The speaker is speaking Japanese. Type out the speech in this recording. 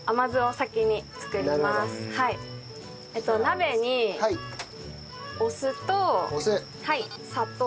鍋にお酢と砂糖。